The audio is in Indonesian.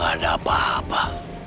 gak ada apa apa